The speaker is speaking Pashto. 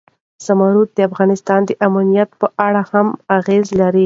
زمرد د افغانستان د امنیت په اړه هم اغېز لري.